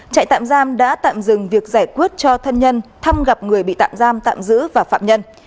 trại tạm giam đã tạm dừng việc giải quyết cho thân nhân thăm gặp người bị tạm giam tạm giữ và phạm nhân